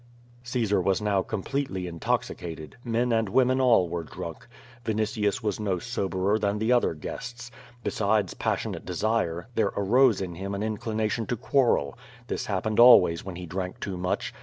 '* Caesar was now completely intoxicated; men and women all were drunk. Vinitius was no soberer than the other guests. Besides passionate desire, there arose in him an in clination to quarrel. This happened always when he drank too much.